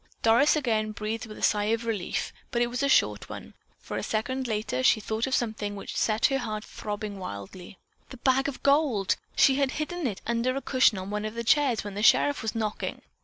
Doris again breathed a sigh of relief, but it was a short one, for, a second later, she thought of something which set her heart to throbbing wildly. The bag of gold! She had hidden it under a cushion on one of the chairs when the sheriff was knocking.